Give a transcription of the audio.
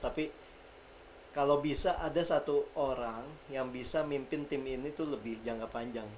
tapi kalau bisa ada satu orang yang bisa mimpin tim ini tuh lebih jangka panjang